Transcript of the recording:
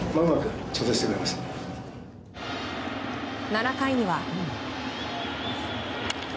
７回には。